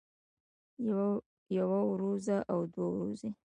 يوه وروځه او دوه ورځې